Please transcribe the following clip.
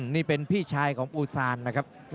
นี่เป็นพี่ชายของปูซานนะครับ